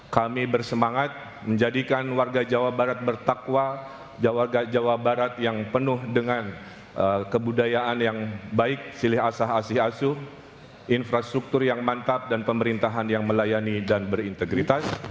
kami bersemangat menjadikan warga jawa barat bertakwa warga jawa barat yang penuh dengan kebudayaan yang baik silih asah asih asuh infrastruktur yang mantap dan pemerintahan yang melayani dan berintegritas